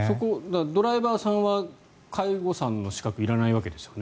ドライバーさんは介護さんの資格いらないわけですよね。